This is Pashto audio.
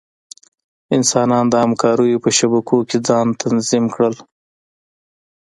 انسانان د همکاریو په شبکو کې ځان تنظیم کړل.